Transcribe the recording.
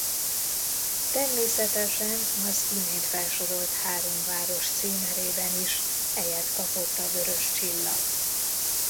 Természetesen az imént felsorolt három város címerében is helyet kapott a vörös csillag.